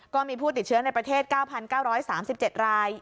ก็มีผู้ติดเชื้อในประเทศ๙๙๓๗ราย